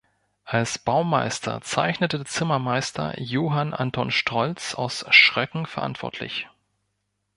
Als Baumeister zeichnete der Zimmermeister "Johann Anton Strolz" aus Schröcken verantwortlich.